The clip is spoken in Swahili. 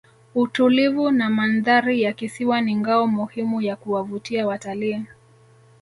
utulivu na mandhari ya kisiwa ni ngao muhimu ya kuwavuta watalii